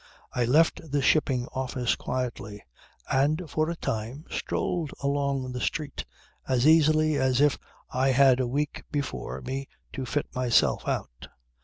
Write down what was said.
I left the shipping office quietly and for a time strolled along the street as easy as if I had a week before me to fit myself out.